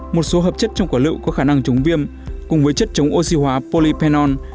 một số hợp chất trong quả lựu có khả năng chống viêm cùng với chất chống oxy hóa polypenol